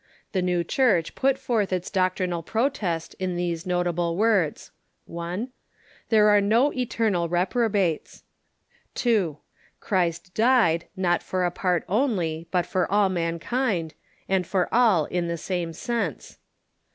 The new Church put forth its doctrinal protest in these notable words : 1. There are no eternal reprobates ; 2. Christ died, not for a part only, but for all mankind, and for all in the same sense ; 3.